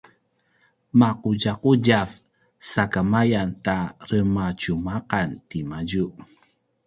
maqutjaqutjav sakamaya ta rematjumaqan timadju